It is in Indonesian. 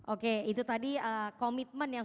oke itu tadi komitmen yang